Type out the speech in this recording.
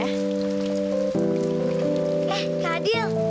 eh kak adil